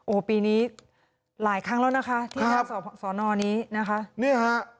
โอ้โหปีนี้หลายครั้งแล้วนะคะที่หน้าสอนอนี้นะคะเนี่ยฮะ